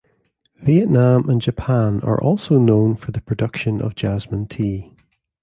Vietnam and Japan are also known for the production of jasmine tea.